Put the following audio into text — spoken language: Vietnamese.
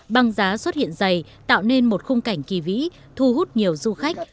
băng giá xuất hiện dày tạo nên một khung cảnh kỳ vĩ thu hút nhiều du khách